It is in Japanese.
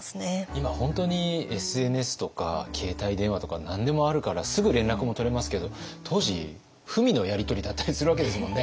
今本当にＳＮＳとか携帯電話とか何でもあるからすぐ連絡も取れますけど当時文のやり取りだったりするわけですもんね。